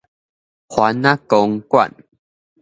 番仔公館